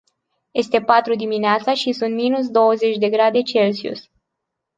Este patru dimineața și sunt minus douăzeci de grade celsius.